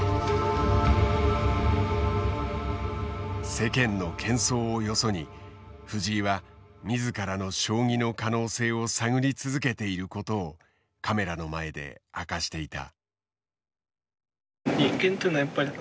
世間のけん騒をよそに藤井は自らの将棋の可能性を探り続けていることをカメラの前で明かしていた。